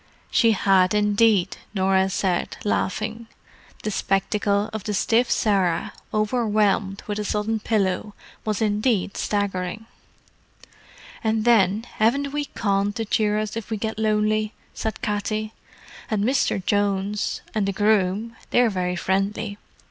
"She had, indeed," Norah said, laughing. The spectacle of the stiff Sarah, overwhelmed with a sudden pillow, was indeed staggering. "And then, haven't we Con to cheer us up if we get lonely?" said Katty. "And Misther Jones and the groom—they're very friendly.